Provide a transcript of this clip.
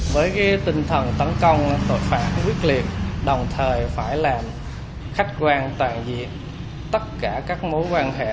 với tinh thần tấn công tội phạm quyết liệt đồng thời phải làm khách quan toàn diện tất cả các mối quan hệ